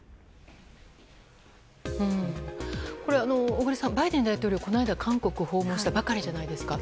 小栗さんバイデン大統領はこの間韓国を訪問したばかりじゃないですか。